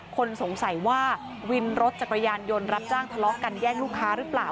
คนสงสัยว่าวินรถจักรยานยนต์รับจ้างทะเลาะกันแย่งลูกค้าหรือเปล่า